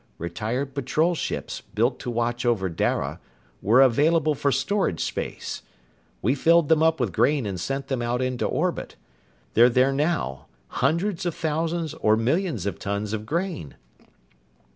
Retired patrol ships, built to watch over Dara, were available for storage space. We filled them up with grain and sent them out into orbit. They're there now, hundreds of thousands or millions of tons of grain!"